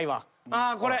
ああこれ。